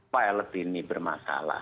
pilot ini bermasalah